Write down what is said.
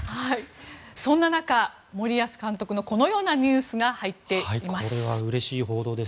そんな中、森保監督のこのようなニュースが入ってきています。